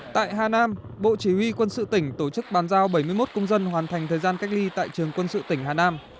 tại hà nam bộ chỉ huy quân sự tỉnh tổ chức bàn giao bảy mươi một công dân hoàn thành thời gian cách ly tại trường quân sự tỉnh hà nam